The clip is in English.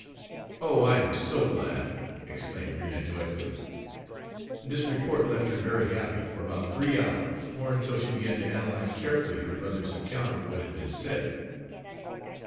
"Oh, I am so glad!" exclaimed Rena joyfully. This report left her very happy for about three hours, or until she began to analyze carefully her brother's account of what had been said.